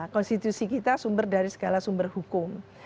konstitusi kita sumber dari segala sumber hukum